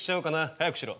速くしろ。